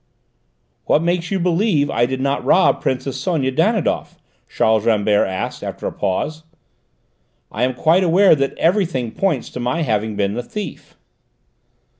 "What makes you believe I did not rob Princess Sonia Danidoff?" Charles Rambert asked after a pause. "I am quite aware that everything points to my having been the thief."